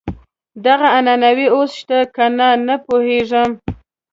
دغه عنعنه اوس شته کنه نه پوهېږم.